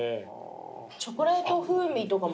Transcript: チョコレート風味とかもありますね。